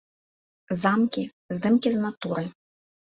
Замкі, здымкі з натуры.